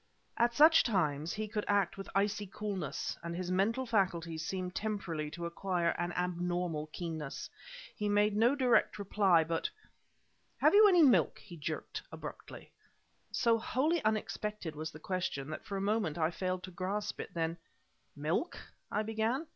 At such times he could act with icy coolness and his mental faculties seemed temporarily to acquire an abnormal keenness. He made no direct reply; but "Have you any milk?" he jerked abruptly. So wholly unexpected was the question, that for a moment I failed to grasp it. Then "Milk!" I began.